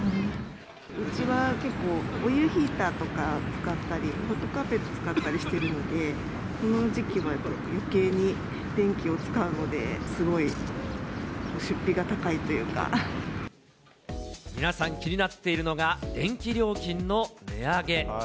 うちは結構、オイルヒーターとか使ったり、ホットカーペット使ったりしているので、この時期はよけいに、電気を使うので、皆さん気になっているのが、電気料金の値上げ。